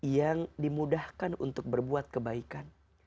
yang dimudahkan untuk berbuat kebaikan